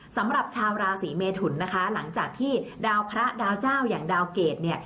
สำหรับชาวราศีเมทุนนะคะหลังจากที่ดาวพระดาวเจ้าอย่างดาวเกรดเนี่ย